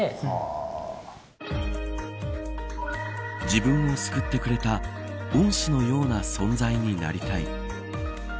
自分を救ってくれた恩師のような存在になりたい。